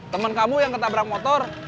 teman kamu yang ketabrak motor